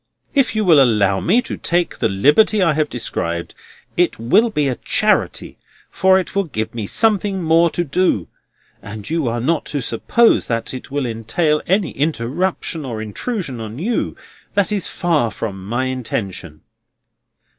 If you will allow me to take the liberty I have described, it will be a charity, for it will give me something more to do. And you are not to suppose that it will entail any interruption or intrusion on you, for that is far from my intention."